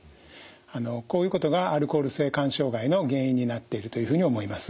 あのこういうことがアルコール性肝障害の原因になっているというふうに思います。